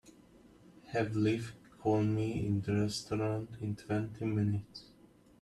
Have Liv call me in the restaurant in twenty minutes.